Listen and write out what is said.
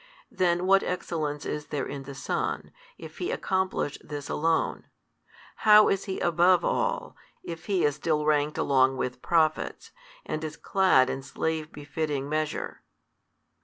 Then what excellence is there in the Son, if He accomplish this alone? how is He above all, if He is still ranked along with Prophets, and is clad in slave befitting measure?